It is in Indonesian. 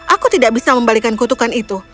aku tidak bisa membalikan kutukan itu